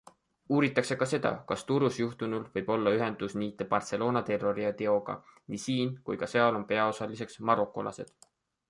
Uuritakse ka seda, kas Turus juhtunul võib olla ühendusniite Barcelona terroriteoga - nii siin kui ka seal on peaosalisteks marokolased.